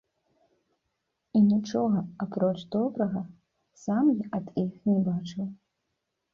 І нічога, апроч добрага, сам я ад іх не бачыў.